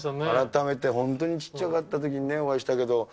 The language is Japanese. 改めて、本当にちっちゃかったときにお会いしたけど。